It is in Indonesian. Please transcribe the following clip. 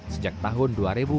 sejak tahun dua ribu enam belas